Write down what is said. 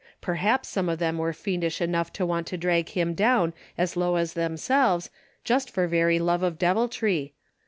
Perhaps some of them were fiendish enough to want to drag him down as low as themselves, just for very DAILY RATEA^ 191 love of deviltry.